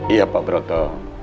iya pak broto